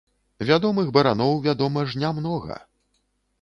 Вядомых бараноў, вядома ж, не многа.